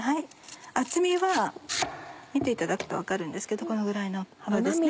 厚みは見ていただくと分かるんですけどこのぐらいの幅ですね。